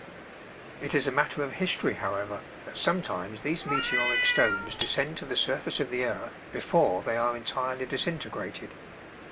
It is a matter of history, however, that sometimes these meteoric stones descend to the surface of the earth before they are entirely disintegrated.